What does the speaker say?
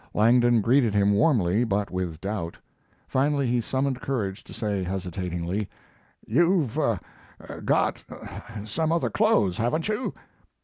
Langdon greeted him warmly but with doubt. Finally he summoned courage to say, hesitatingly "You've got some other clothes, haven't you?"